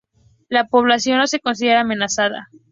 La población no se considera amenazada.